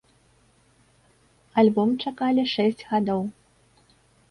Альбом чакалі шэсць гадоў.